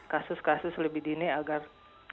kasus kasus lebih dini agar